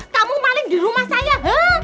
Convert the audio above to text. kamu maling di rumah saya